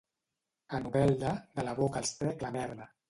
A Novelda, de la boca els trec la merda.